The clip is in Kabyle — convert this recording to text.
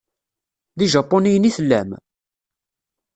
D ijapuniyen i tellam?